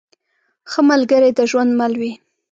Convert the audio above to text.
ښه ملګری د ژوند مل وي.